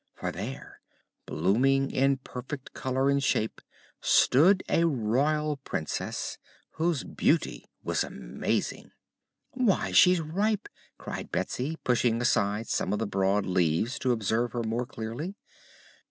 For there, blooming in perfect color and shape, stood a Royal Princess, whose beauty was amazing. "Why, she's ripe!" cried Betsy, pushing aside some of the broad leaves to observe her more clearly.